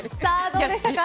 どうでしたか。